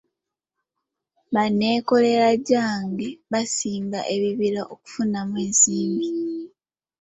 Banneekolera gyange basimba ebibira okufunamu ensimbi.